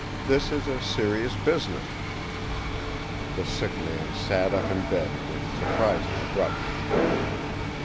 This is a serious business " The sick man sat up in bed with surprising abruptness.